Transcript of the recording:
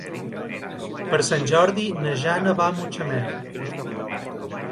Per Sant Jordi na Jana va a Mutxamel.